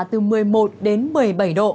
từ một mươi một đến một mươi bảy độ